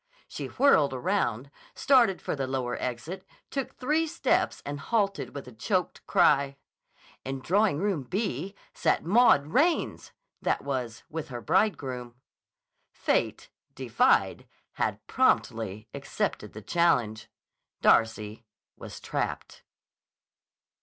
She whirled around, started for the lower exit, took three steps and halted with a choked cry. In Drawing Room B sat Maud Raines, that was, with her bridegroom. Fate, defied, had promptly accepted the challenge. Darcy was trapped.